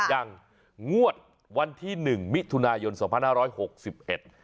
อย่างงวดวันที่หนึ่งมิถุนายนสองพันห้าร้อยหกสิบเอ็ด